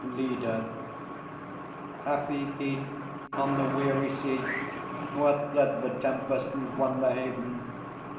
LEADER. Happy he, on the weary sea Who hath fled the tempest and won the haven.